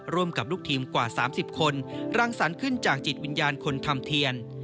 ร่วมกับลูกทีมกว่า๓๐คนรังสรรค์ขึ้นจากจิตวิญญาณคนทำเทียน